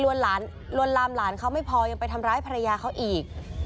ลวนลามหลานเขาไม่พอยังไปทำร้ายภรรยาเขาอีก